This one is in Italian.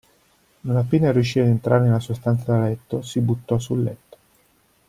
Non appena riuscì ad entrare nella sua stanza da letto, si buttò sul letto.